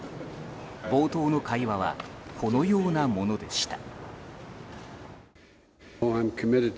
冒頭の会話はこのようなものでした。